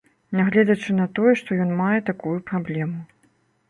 Нягледзячы на тое, што ён мае такую праблему.